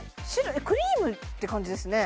クリームって感じですね